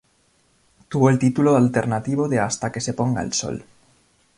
Tuvo el título alternativo de Hasta que se ponga el sol.